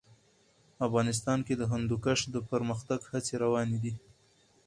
افغانستان کې د هندوکش د پرمختګ هڅې روانې دي.